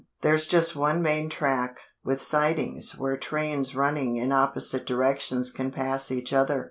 There's just one main track, with sidings where trains running in opposite directions can pass each other.